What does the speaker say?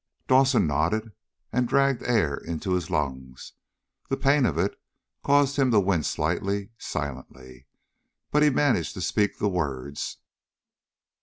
Dawson nodded, and dragged air into his lungs. The pain of it caused him to wince slightly, silently. But he managed to speak the words.